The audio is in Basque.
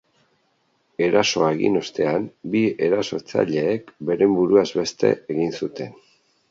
Erasoa egin ostean, bi erasotzaileek beren buruaz beste egin zuten.